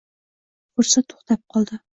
Fursat to’xtab qoldi